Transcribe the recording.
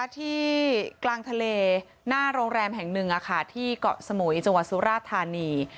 ที่กลางทะเลหน้าโรงแรมแห่งหนึ่งที่เกาะสมุยจังหวัดสุราธานี